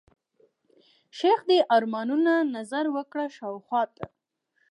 ښخ دي ارمانونه، نظر وکړه شاوخواته